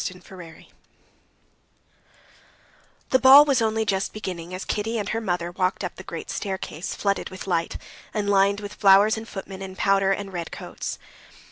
Chapter 22 The ball was only just beginning as Kitty and her mother walked up the great staircase, flooded with light, and lined with flowers and footmen in powder and red coats.